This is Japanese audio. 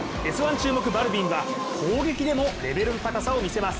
注目、バルヴィンは、攻撃でもレベルの高さを見せます